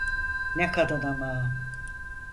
Ne kadın ama!